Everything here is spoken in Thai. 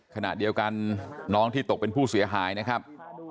ขณะเดียวกันน้องที่ตกเป็นผู้เสียหายนะครับ